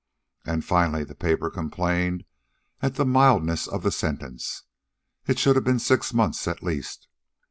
And, finally, the paper complained at the mildness of the sentence. It should have been six months at least.